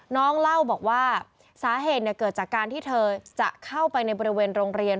เล่าบอกว่าสาเหตุเกิดจากการที่เธอจะเข้าไปในบริเวณโรงเรียน